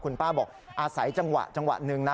คุณป้าบอกอาศัยจังหวะจังหวะหนึ่งนะ